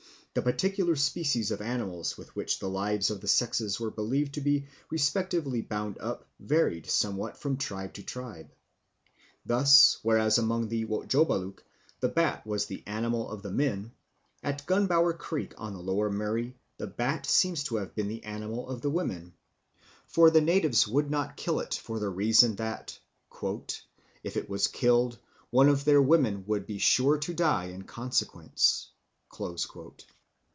The particular species of animals with which the lives of the sexes were believed to be respectively bound up varied somewhat from tribe to tribe. Thus whereas among the Wotjobaluk the bat was the animal of the men, at Gunbower Creek on the Lower Murray the bat seems to have been the animal of the women, for the natives would not kill it for the reason that "if it was killed, one of their lubras [women] would be sure to die in consequence."